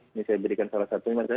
ini saya berikan salah satunya